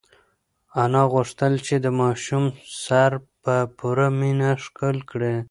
انا غوښتل چې د ماشوم سر په پوره مینه ښکل کړي.